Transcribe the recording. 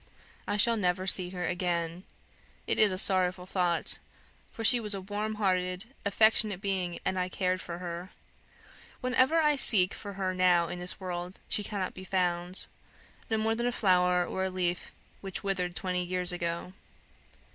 I shall never see her again. It is a sorrowful thought; for she was a warm hearted, affectionate being, and I cared for her. Wherever I seek for her now in this world, she cannot be found, no more than a flower or a leaf which withered twenty years ago.